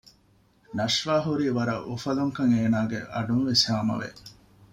ނަޝްވާ ހުރީ ވަރަށް އުފަލުންކަން އޭނާގެ އަޑުންވެސް ހާމަވެ